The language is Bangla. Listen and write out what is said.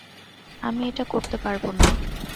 আমি এটা করতে পারব না।